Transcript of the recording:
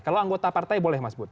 kalau anggota partai boleh mas bud